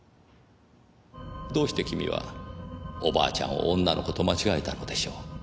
どうして君はおばあちゃんを女の子と間違えたのでしょう。